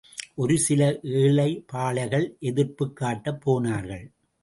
ஒரு சில ஏழைபாளைகள் எதிர்ப்புக் காட்டப் போனார்கள்.